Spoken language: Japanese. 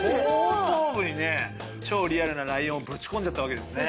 後頭部にね超リアルなライオンをぶちこんじゃったわけですね。